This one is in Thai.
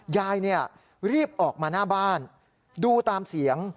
ยายรีบออกมาหน้าบ้านดูตามเสียง